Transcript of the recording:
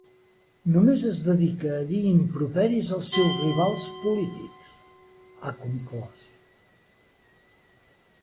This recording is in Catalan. Només es dedica a dir improperis als seus rivals polítics, ha conclòs.